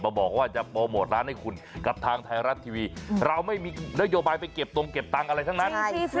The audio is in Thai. บอกว่าจะโปรโมทร้านให้คุณกับทางไทยรัฐทีวีเราไม่มีนโยบายไปเก็บตรงเก็บตังค์อะไรทั้งนั้น